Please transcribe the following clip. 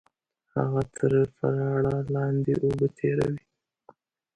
هغه تر پراړه لاندې اوبه تېروي